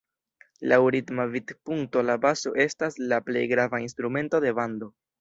Laŭ ritma vidpunkto la baso estas la plej grava instrumento de bando.